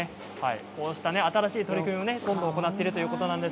こうした新しい取り組みもどんどん行っているということです。